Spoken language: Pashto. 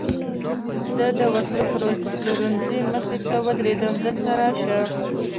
زه د وسلو پلورنځۍ مخې ته ودرېدم، دلته راشه.